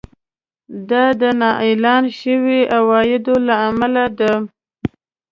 دا د نااعلان شويو عوایدو له امله دی